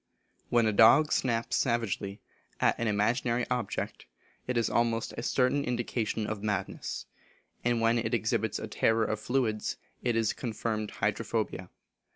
When a dog snaps savagely at an imaginary object, it is almost a certain indication of madness; and when it exhibits a terror of fluids, it is confirmed hydrophobia.